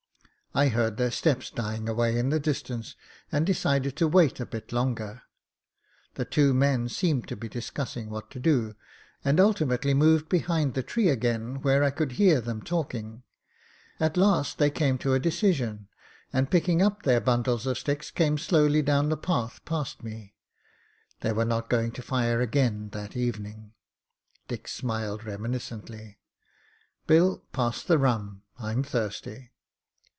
I heard their steps dying away in the distance, and decided to wait a bit longer. The two men seemed to be discussing what to do, and ultimately moved behind the tree 44 MEN, WOMEN AND GUNS again, where I could hear them talking. At last they came to a decision, and picking up their bundles of sticks came slowly down the path past me. They were not going to fire again that evening." Dick smiled • reminiscently. ''Bill, pass the rum. I'm thirsty."